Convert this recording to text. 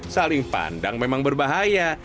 saling pandang memang berbahaya